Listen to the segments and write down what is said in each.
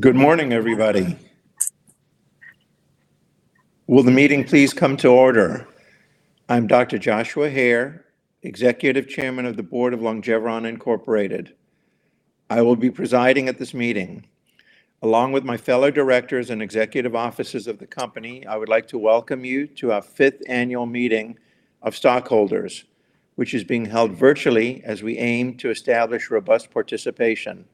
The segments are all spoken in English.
Good morning, everybody. Will the meeting please come to order? I'm Dr. Joshua Hare, Executive Chairman of the Board of Longeveron Incorporated. I will be presiding at this meeting. Along with my fellow directors and executive offices of the company, I would like to welcome you to our fifth annual meeting of stockholders, which is being held virtually as we aim to establish robust participation.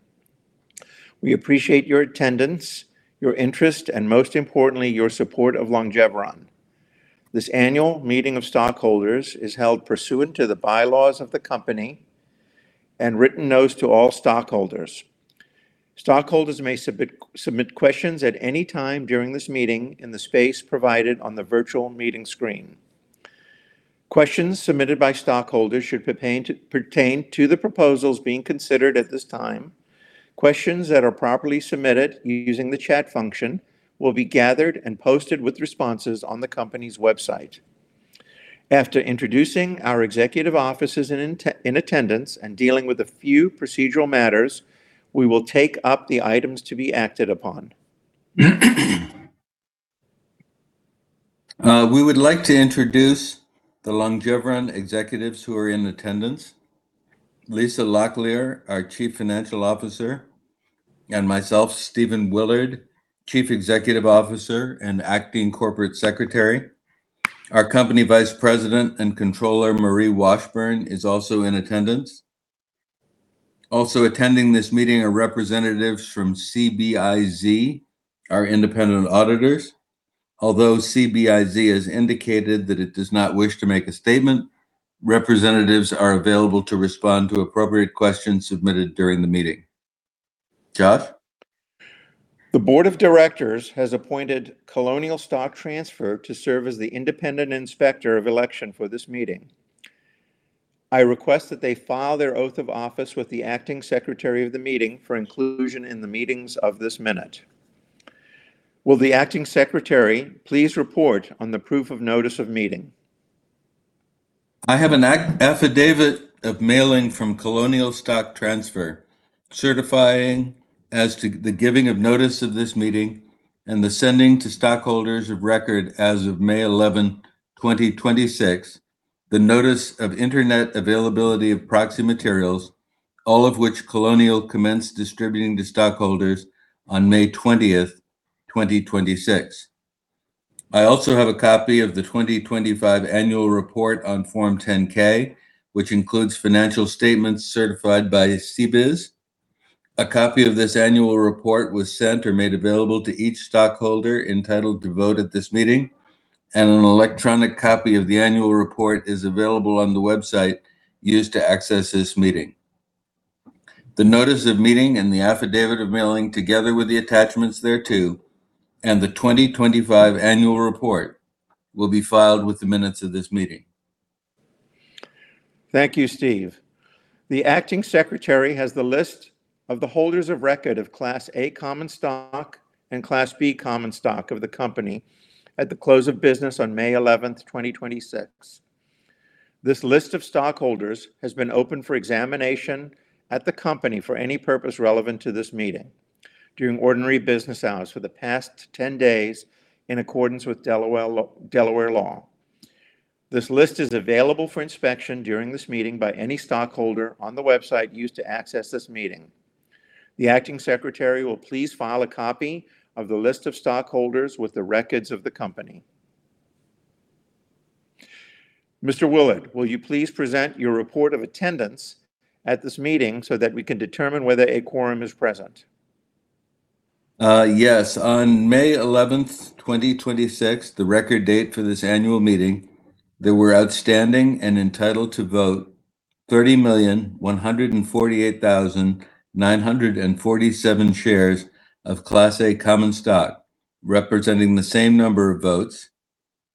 We appreciate your attendance, your interest, and most importantly, your support of Longeveron. This annual meeting of stockholders is held pursuant to the bylaws of the company and written notes to all stockholders. Stockholders may submit questions at any time during this meeting in the space provided on the virtual meeting screen. Questions submitted by stockholders should pertain to the proposals being considered at this time. Questions that are properly submitted using the chat function will be gathered and posted with responses on the company's website. After introducing our executive offices in attendance and dealing with a few procedural matters, we will take up the items to be acted upon. We would like to introduce the Longeveron executives who are in attendance. Lisa Locklear, our Chief Financial Officer, and myself, Stephen Willard, Chief Executive Officer and acting Corporate Secretary. Our company Vice President and Controller, Marie Washburn, is also in attendance. Also attending this meeting are representatives from CBIZ, our independent auditors. Although CBIZ has indicated that it does not wish to make a statement, representatives are available to respond to appropriate questions submitted during the meeting. Josh? The Board of Directors has appointed Colonial Stock Transfer to serve as the independent Inspector of Election for this meeting. I request that they file their oath of office with the acting Secretary of the meeting for inclusion in the meetings of this minute. Will the acting Secretary please report on the proof of notice of meeting? I have an affidavit of mailing from Colonial Stock Transfer, certifying as to the giving of notice of this meeting and the sending to stockholders of record as of May 11, 2026, the notice of internet availability of proxy materials, all of which Colonial commenced distributing to stockholders on May 20th, 2026. I also have a copy of the 2025 annual report on Form 10-K, which includes financial statements certified by CBIZ. A copy of this annual report was sent or made available to each stockholder entitled to vote at this meeting, and an electronic copy of the annual report is available on the website used to access this meeting. The notice of meeting and the affidavit of mailing, together with the attachments thereto, and the 2025 annual report, will be filed with the minutes of this meeting. Thank you, Steve. The acting Secretary has the list of the holders of record of Class A common stock and Class B common stock of the company at the close of business on May 11th, 2026. This list of stockholders has been open for examination at the company for any purpose relevant to this meeting during ordinary business hours for the past 10 days in accordance with Delaware law. This list is available for inspection during this meeting by any stockholder on the website used to access this meeting. The acting Secretary will please file a copy of the list of stockholders with the records of the company. Mr. Willard, will you please present your report of attendance at this meeting so that we can determine whether a quorum is present? Yes. On May 11th, 2026, the record date for this annual meeting, there were outstanding and entitled to vote 30,148,947 shares of Class A common stock, representing the same number of votes,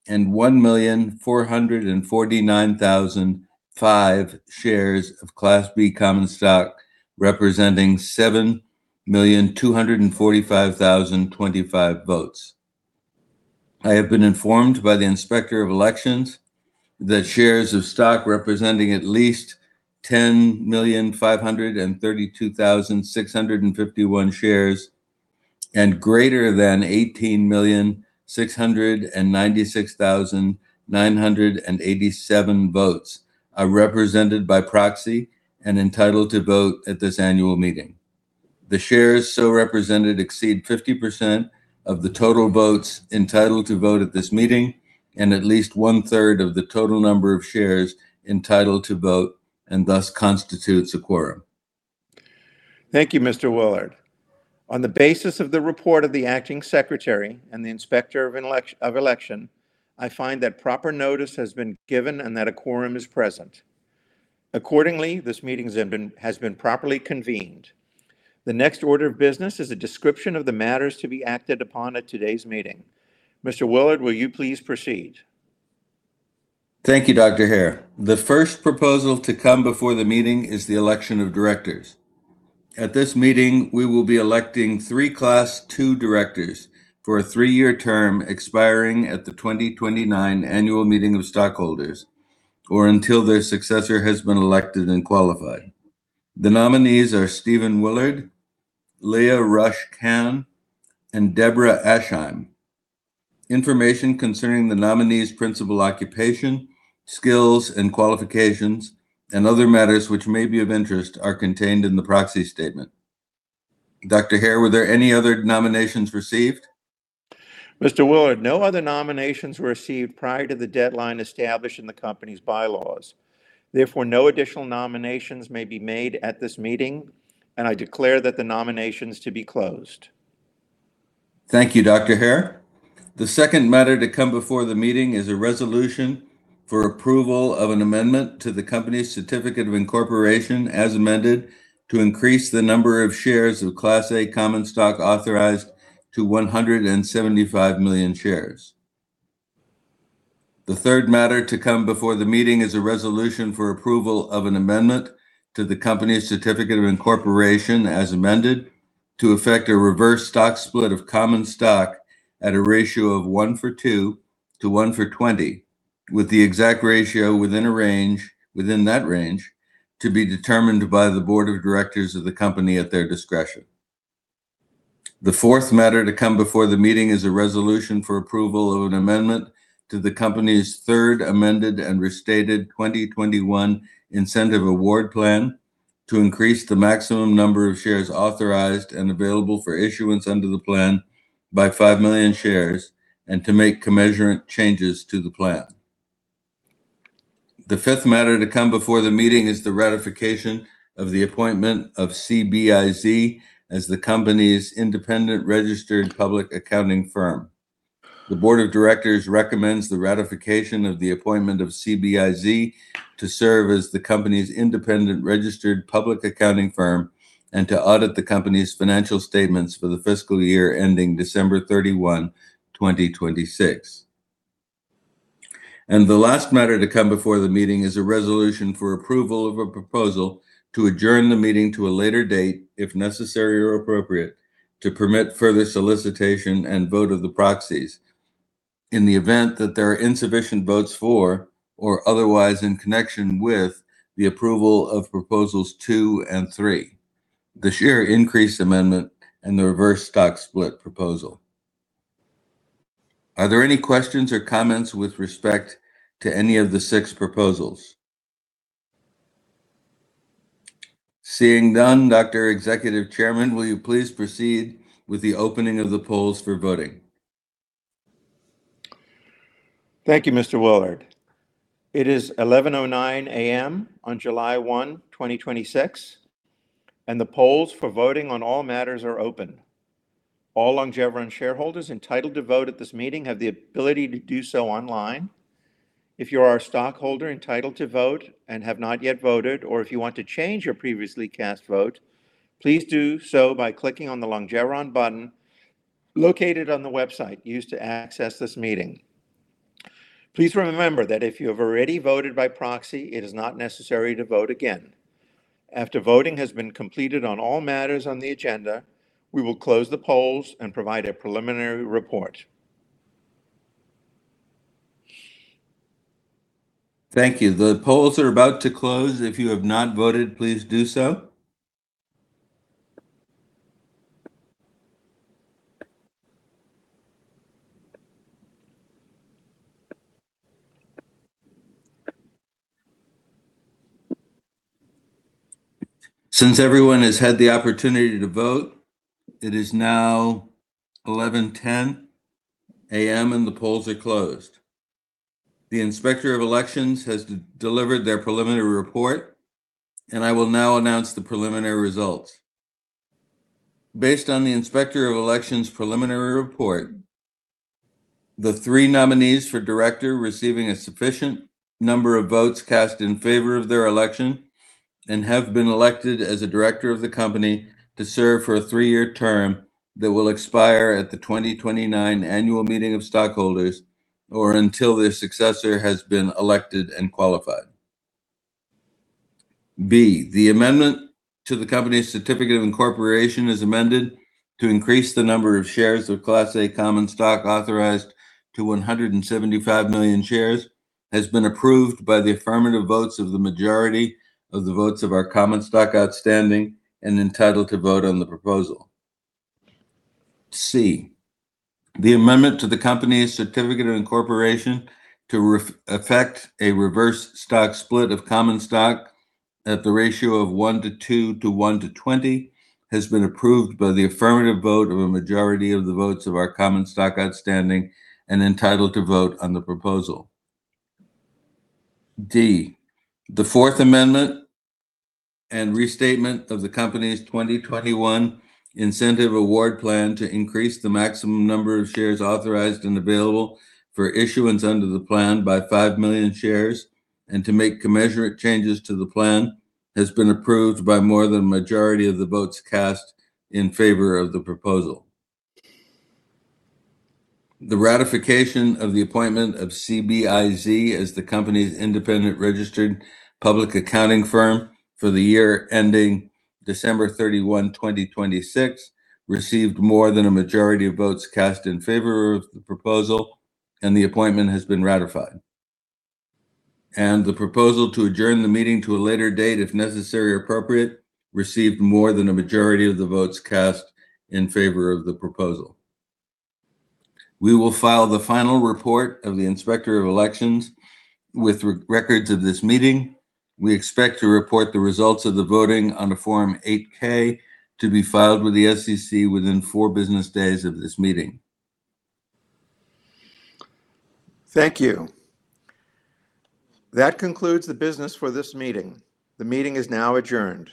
and 1,449,005 shares of Class B common stock, representing 7,245,025 votes. I have been informed by the Inspector of Election that shares of stock representing at least 10,532,651 shares and greater than 18,696,987 votes are represented by proxy and entitled to vote at this annual meeting. The shares so represented exceed 50% of the total votes entitled to vote at this meeting and at least 1/3 of the total number of shares entitled to vote, thus constitutes a quorum. Thank you, Mr. Willard. On the basis of the report of the acting Secretary and the Inspector of Election, I find that proper notice has been given and that a quorum is present. Accordingly, this meeting has been properly convened. The next order of business is a description of the matters to be acted upon at today's meeting. Mr. Willard, will you please proceed? Thank you, Dr. Hare. The first proposal to come before the meeting is the election of directors. At this meeting, we will be electing three Class II directors for a three-year term expiring at the 2029 annual meeting of stockholders Or until their successor has been elected and qualified. The nominees are Stephen Willard, Leah Rush Cann, and Deborah Ascheim. Information concerning the nominees' principal occupation, skills, and qualifications, and other matters which may be of interest, are contained in the proxy statement. Dr. Hare, were there any other nominations received? Mr. Willard, no other nominations were received prior to the deadline established in the company's bylaws. Therefore, no additional nominations may be made at this meeting, and I declare that the nominations to be closed. Thank you, Dr. Hare. The second matter to come before the meeting is a resolution for approval of an amendment to the company's certificate of incorporation, as amended, to increase the number of shares of Class A common stock authorized to 175 million shares. The third matter to come before the meeting is a resolution for approval of an amendment to the company's certificate of incorporation, as amended, to effect a reverse stock split of common stock at a ratio of 1:2 to 1:20, with the exact ratio within that range to be determined by the Board of Directors of the company at their discretion. The fourth matter to come before the meeting is a resolution for approval of an amendment to the company's third amended and restated 2021 Incentive Award Plan to increase the maximum number of shares authorized and available for issuance under the plan by 5 million shares and to make commensurate changes to the plan. The fifth matter to come before the meeting is the ratification of the appointment of CBIZ as the company's independent registered public accounting firm. The Board of Directors recommends the ratification of the appointment of CBIZ to serve as the company's independent registered public accounting firm and to audit the company's financial statements for the fiscal year ending December 31, 2026. The last matter to come before the meeting is a resolution for approval of a proposal to adjourn the meeting to a later date, if necessary or appropriate, to permit further solicitation and vote of the proxies in the event that there are insufficient votes for, or otherwise in connection with, the approval of Proposals two and three, the share increase amendment and the reverse stock split proposal. Are there any questions or comments with respect to any of the six proposals? Seeing none, Dr. Executive Chairman, will you please proceed with the opening of the polls for voting? Thank you, Mr. Willard. It is 11:09 A.M. on July 1, 2026, and the polls for voting on all matters are open. All Longeveron shareholders entitled to vote at this meeting have the ability to do so online. If you are a stockholder entitled to vote and have not yet voted, or if you want to change your previously cast vote, please do so by clicking on the Longeveron button located on the website used to access this meeting. Please remember that if you have already voted by proxy, it is not necessary to vote again. After voting has been completed on all matters on the agenda, we will close the polls and provide a preliminary report. Thank you. The polls are about to close. If you have not voted, please do so. Since everyone has had the opportunity to vote, it is now 11:10 A.M., and the polls are closed. The Inspector of Election has delivered their preliminary report, and I will now announce the preliminary results. Based on the Inspector of Election's preliminary report, the three nominees for director receiving a sufficient number of votes cast in favor of their election and have been elected as a director of the company to serve for a three-year term that will expire at the 2029 annual meeting of stockholders or until their successor has been elected and qualified. B, the amendment to the company's certificate of incorporation, as amended, to increase the number of shares of Class A common stock authorized to 175 million shares, has been approved by the affirmative votes of the majority of the votes of our common stock outstanding and entitled to vote on the proposal. C, the amendment to the company's certificate of incorporation to effect a reverse stock split of common stock at the ratio of 1:2 to 1:20 has been approved by the affirmative vote of a majority of the votes of our common stock outstanding and entitled to vote on the proposal. D, the fourth amendment and restatement of the company's 2021 Incentive Award Plan to increase the maximum number of shares authorized and available for issuance under the plan by 5 million shares and to make commensurate changes to the plan has been approved by more than a majority of the votes cast in favor of the proposal. The ratification of the appointment of CBIZ as the company's independent registered public accounting firm for the year ending December 31, 2026, received more than a majority of votes cast in favor of the proposal, and the appointment has been ratified. The proposal to adjourn the meeting to a later date, if necessary or appropriate, received more than a majority of the votes cast in favor of the proposal. We will file the final report of the Inspector of Elections with records of this meeting. We expect to report the results of the voting on the Form 8-K to be filed with the SEC within four business days of this meeting. Thank you. That concludes the business for this meeting. The meeting is now adjourned.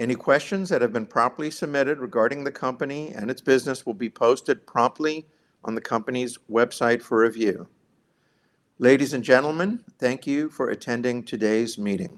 Any questions that have been properly submitted regarding the company and its business will be posted promptly on the company's website for review. Ladies and gentlemen, thank you for attending today's meeting.